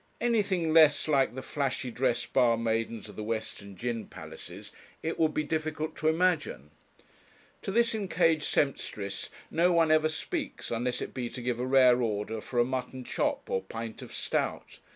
Anything less like the flashy dressed bar maidens of the western gin palaces it would be difficult to imagine. To this encaged sempstress no one ever speaks unless it be to give a rare order for a mutton chop or pint of stout.